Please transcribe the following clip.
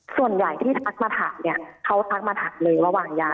ส่วนใหญ่ที่ทักมาถักเนี่ยเขาทักมาถักเลยระหว่างยา